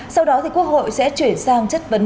sau đó quốc hội sẽ chuyển sang chất vấn